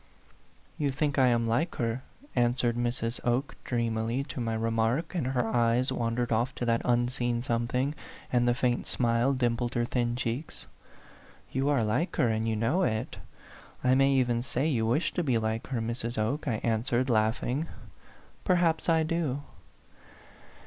" You think I am like her," answered Mrs. Oke, dreamily, to my remark, and her eyes wandered off to that unseen something, and the faint smile dimpled her thin cheeks. "You are like her, and you know it. I may even say you wish to be like her, Mrs. Oke," I answered, laughing. "Perhaps I do."